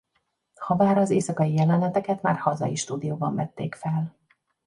Habár az éjszakai jeleneteket már hazai stúdióban vették fel.